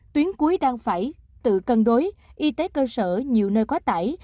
tuyến cuối đang phải tự cân đối y tế cơ sở nhiều nơi quá tải